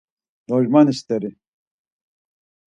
Lojmani st̆eri.